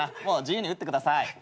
もう自由に打ってください。